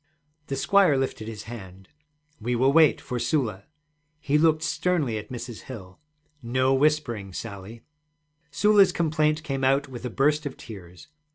The squire lifted his hand. 'We will wait for Sula.' He looked sternly at Mrs. Hill. 'No whispering, Sally!' Sula's complaint came out with a burst of tears.